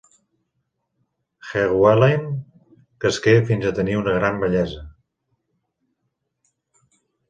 Gwenllian cresqué fins a tenir una gran bellesa.